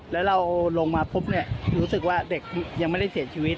แล้วเราลงมาปุ๊บเนี่ยรู้สึกว่าเด็กยังไม่ได้เสียชีวิต